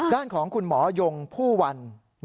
ด้านของคุณหมอยงผู้วัน